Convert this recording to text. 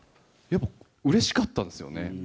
やっぱうれしかったんですよね。